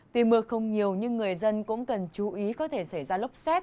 tuy mưa không nhiều nhưng người dân cũng cần chú ý có thể xảy ra lốc xét